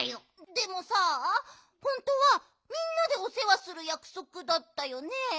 でもさほんとうはみんなでおせわするやくそくだったよね？